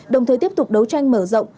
đồng thời tiếp tục đấu tranh mở rộng